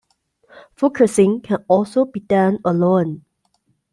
Focusing can also be done alone.